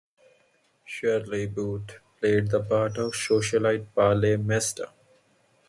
Shirley Booth played the part of socialite Perle Mesta.